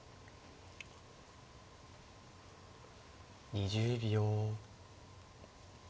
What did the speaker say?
２０秒。